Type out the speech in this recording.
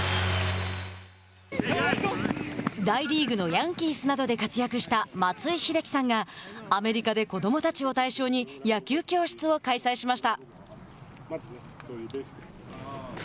大リーグのヤンキースなどで活躍した松井秀喜さんがアメリカで子どもたちを対象に野球教室を開催しました。